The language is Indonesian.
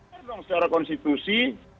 bisa dong secara konstitusi